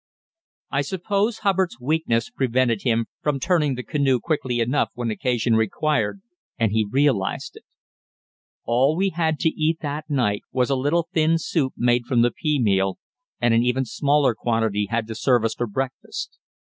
I suppose Hubbard's weakness prevented him from turning the canoe quickly enough when occasion required, and he realised it. All we had to eat that night was a little thin soup made from the pea meal, and an even smaller quantity had to serve us for breakfast.